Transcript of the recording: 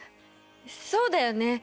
そうだよね